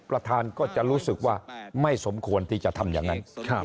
ประธานก็จะรู้สึกว่าไม่สมควรที่จะทำอย่างนั้น